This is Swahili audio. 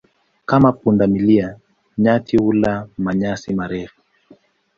Kama punda milia, nyati hula manyasi marefu.